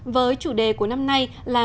với chủ đề của năm nay là